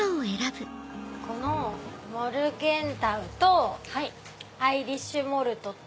このモルゲンタウとアイリッシュモルトと。